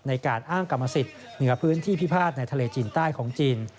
ในการอ้างกรรมสิทธิ์เหนือพื้นที่พิพาทในทะเลจีนใต้ของจีน